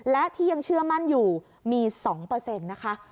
และที่ยังเชื่อมั่นอยู่มี๒นะคะ